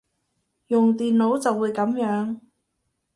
用電腦就會噉樣